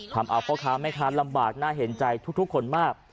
ทำเอาพ่อค้าแม่ค้าลำบากน่าเห็นใจทุกคนมาก